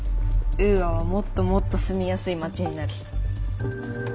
ウーアはもっともっと住みやすい街になる。